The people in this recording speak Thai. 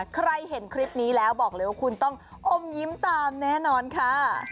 ใครเห็นคลิปนี้แล้วบอกเลยว่าคุณต้องอมยิ้มตามแน่นอนค่ะ